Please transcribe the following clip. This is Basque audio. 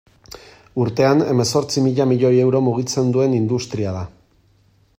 Urtean hemezortzi mila milioi euro mugitzen duen industria da.